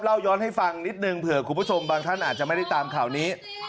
ย้อนให้ฟังนิดนึงเผื่อคุณผู้ชมบางท่านอาจจะไม่ได้ตามข่าวนี้